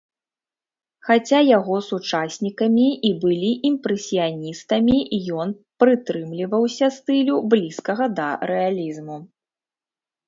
Хаця яго сучаснікамі і былі імпрэсіяністамі, ён прытрымліваўся стылю, блізкага да рэалізму.